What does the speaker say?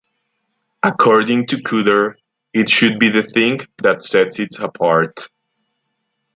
According to Cooder, It should be the thing that sets it apart.